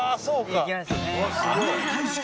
そうか。